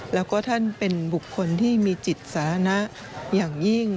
แล้วก็ท่านเป็นบุคคลที่มีจิตสาธารณะอย่างยิ่ง